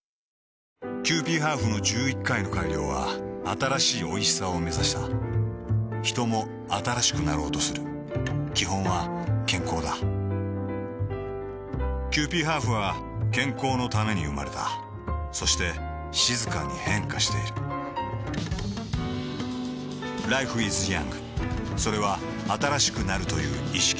キユーピーハーフの１１回の改良は新しいおいしさをめざしたヒトも新しくなろうとする基本は健康だキユーピーハーフは健康のために生まれたそして静かに変化しているＬｉｆｅｉｓｙｏｕｎｇ．それは新しくなるという意識